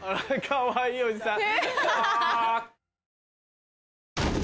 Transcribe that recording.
かわいいおじさん。